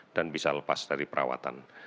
dan bisa lepas dari perawatan